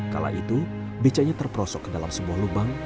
kala itu becanya terperosok ke dalam sebuah lubang